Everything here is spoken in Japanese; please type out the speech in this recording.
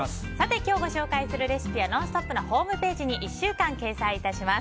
今日ご紹介するレシピは「ノンストップ！」のホームページに１週間掲載いたします。